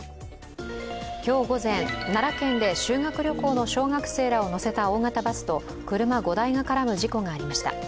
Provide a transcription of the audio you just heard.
今日午前、奈良県で修学旅行の小学生らを乗せた大型バスと車５台が絡む事故がありました。